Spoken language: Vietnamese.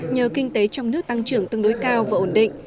nhờ kinh tế trong nước tăng trưởng tương đối cao và ổn định